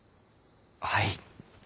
はい。